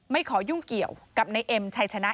ไม่ขอยุ่งเกี่ยวกับนายเอมชายชนะ